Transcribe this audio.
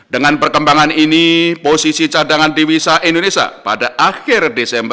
dengan perkembangan ini ruin posisijantangan divisa indonesia berlajar dua bulan dari resolusinya